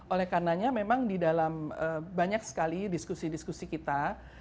oleh karenanya memang di dalam banyak sekali diskusi diskusi kita